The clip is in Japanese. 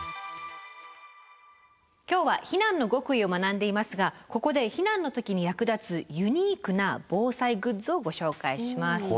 今日は避難の極意を学んでいますがここで避難の時に役立つユニークな防災グッズをご紹介します。